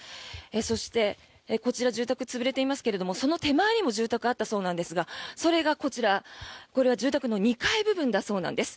そして、こちら住宅潰れていますがその手前にも住宅があったそうなんですがそれがこちら、これは住宅の２階部分だそうです。